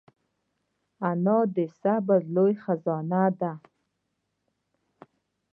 انا د صبر لویه خزانه ده